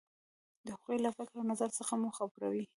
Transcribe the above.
د هغو له فکر او نظر څخه مو خبروي.